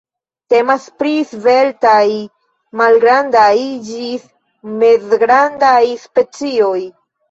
Temas pri sveltaj, malgrandaj ĝis mezgrandaj specioj.